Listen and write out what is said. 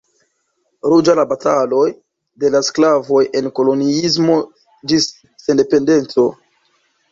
Ruĝa la bataloj de la sklavoj en koloniismo ĝis sendependeco.